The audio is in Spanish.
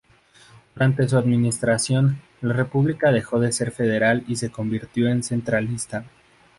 Durante su administración, la república dejó de ser federal y se convirtió en centralista.